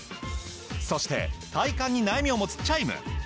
そして体幹に悩みを持つチャイム。